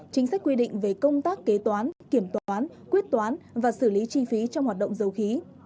chính sách quy định về công tác kế toán kiểm toán quyết toán và xử lý chi phí trong hoạt động dầu khí